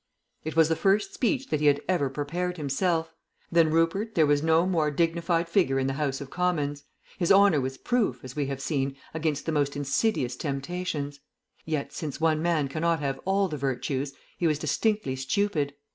It was the first speech that he had ever prepared himself. Than Rupert there was no more dignified figure in the House of Commons; his honour was proof, as we have seen, against the most insidious temptations; yet, since one man cannot have all the virtues, he was distinctly stupid.